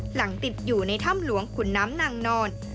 หลังติดอยู่ในถ้ำหลวงขุนน้ำนางนอน